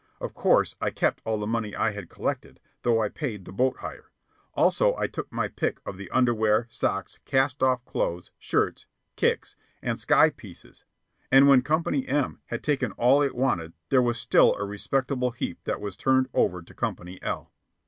Of course I kept all the money I had collected, though I paid the boat hire; also I took my pick of the underwear, socks, cast off clothes, shirts, "kicks," and "sky pieces"; and when Company M had taken all it wanted there was still a respectable heap that was turned over to Company L.